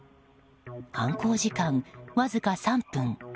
犯行時間わずか３分。